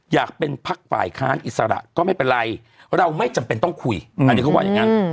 อยากเป็นพักฝ่ายค้านอิสระก็ไม่เป็นไรเราไม่จำเป็นต้องคุยอันนี้เขาว่าอย่างนั้น